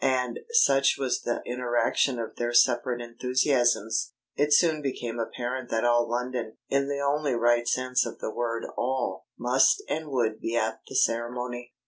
And such was the interaction of their separate enthusiasms it soon became apparent that all London (in the only right sense of the word "all") must and would be at the ceremony.